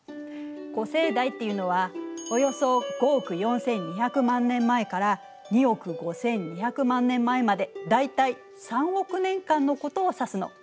古生代っていうのはおよそ５億４２００万年前から２億５２００万年前まで大体３億年間のことを指すの。